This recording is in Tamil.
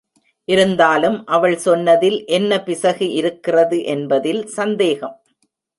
இருந்தாலும் அவள் சொன்னதில் என்ன பிசகு இருக்கிறது என்பதில் சந்தேகம்.